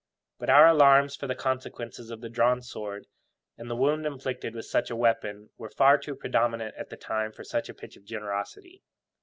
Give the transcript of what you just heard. But our alarms for the consequences of the drawn sword, and the wound inflicted with such a weapon, were far too predominant at the time for such a pitch of generosity.